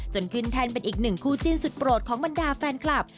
ขึ้นแทนเป็นอีกหนึ่งคู่จิ้นสุดโปรดของบรรดาแฟนคลับ